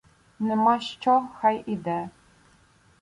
— Нема що — хай іде.